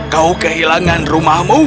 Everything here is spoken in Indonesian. kau kehilangan rumahmu